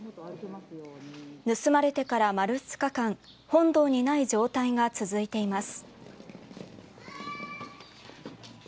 盗まれてから丸２日間本堂にいない状態が続いています。